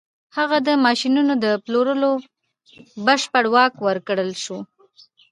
هغه ته د ماشينونو د پلورلو بشپړ واک ورکړل شو.